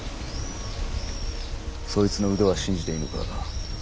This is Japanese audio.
そいつの腕は信じていいのか。